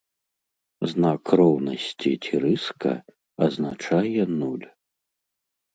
Знак роўнасці ці рыска азначае нуль.